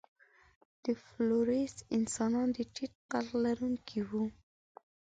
د فلورېس انسانان د ټیټ قد لرونکي وو.